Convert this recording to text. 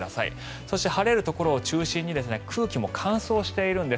そして晴れるところを中心に空気も乾燥しているんです。